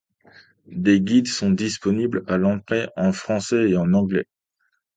Des guides sont disponibles à l'entrée en français et en anglais.